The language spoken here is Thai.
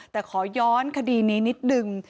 แต่ขอย้อนคดีนี้นิดนึง